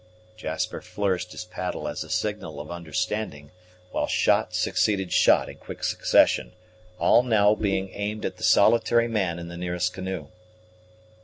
Jasper flourished his paddle as a signal of understanding, while shot succeeded shot in quick succession, all now being aimed at the solitary man in the nearest canoe.